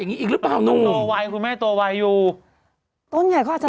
นี่แค่ต้นแค่นี้ได้๒เส้น